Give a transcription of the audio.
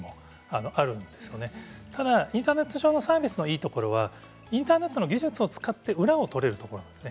ただインターネット上のサービスのいいところはインターネットの技術を使って裏を取れるんですね。